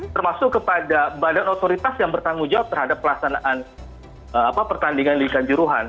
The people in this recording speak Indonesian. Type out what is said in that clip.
termasuk kepada badan otoritas yang bertanggung jawab terhadap pelaksanaan pertandingan di kanjuruhan